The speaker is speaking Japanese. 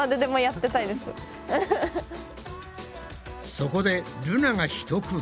そこでルナが一工夫。